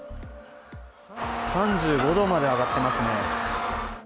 ３５度まで上がってますね。